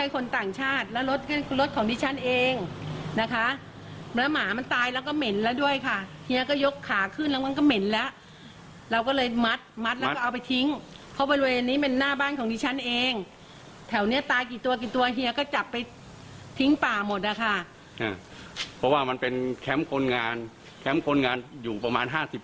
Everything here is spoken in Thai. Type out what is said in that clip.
แคมป์คนงานอยู่ประมาณห้าสิบคนใช่ไหมครับ